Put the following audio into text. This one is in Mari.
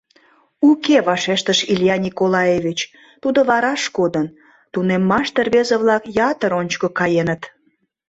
— Уке, — вашештыш Илья Николаевич, — тудо вараш кодын, тунеммаште рвезе-влак ятыр ончыко каеныт.